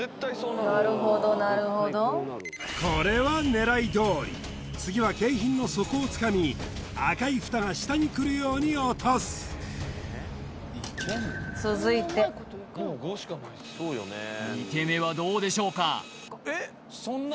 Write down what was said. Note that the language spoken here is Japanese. なるほどなるほどこれは狙いどおり次は景品の底をつかみ赤い蓋が下に来るように落とす続いて二手目はどうでしょうか？